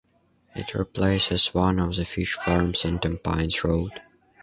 It replaces one of the fish farms at Tampines Road.